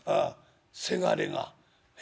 せがれが。え？